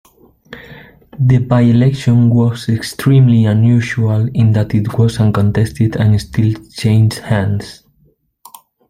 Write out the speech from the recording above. The by-election was extremely unusual in that it was uncontested and still changed hands.